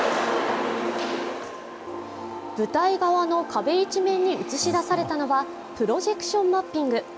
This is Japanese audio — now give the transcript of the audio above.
舞台側の壁一面に映し出されたのはプロジェクションマッピング。